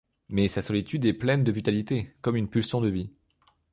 Mais sa solitude est pleine de vitalité... comme une pulsion de vie.